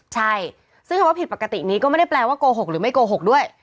ใช่ซึ่งคำว่าผิดปกตินี้ก็ไม่ได้แปลว่าโกหกหรือไม่โกหกด้วย